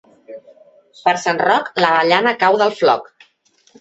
Per sant Roc l'avellana cau del floc.